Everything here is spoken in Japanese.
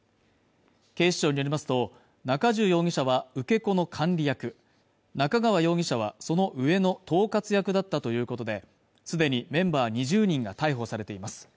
警視庁によりますと中重容疑者は受け子の管理役中川容疑者はその上の統括役だったということですでにメンバー２０人が逮捕されています